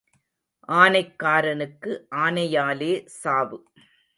ஆனைக்காரனுக்கு ஆனையாலே சாவு.